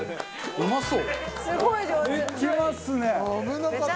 うまそう！